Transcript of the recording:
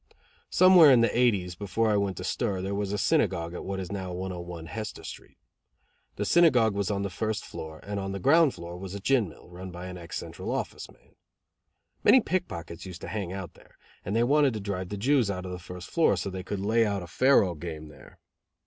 Somewhere in the eighties, before I went to stir, there was a synagogue at what is now 101 Hester Street. The synagogue was on the first floor, and on the ground floor was a gin mill, run by an ex Central Office man. Many pickpockets used to hang out there, and they wanted to drive the Jews out of the first floor, so that they could lay out a faro game there.